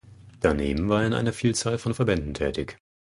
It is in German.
Daneben war er in einer Vielzahl von Verbänden tätig.